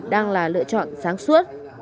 đang là lựa chọn sáng suốt